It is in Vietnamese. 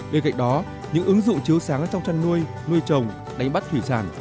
bên cạnh đó những ứng dụng chiếu sáng trong chăn nuôi nuôi trồng đánh bắt thủy sản